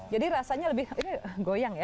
jadi rasanya lebih ini goyang ya